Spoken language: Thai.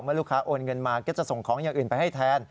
ลูกค้าโอนเงินมาก็จะส่งของอย่างอื่นไปให้แทน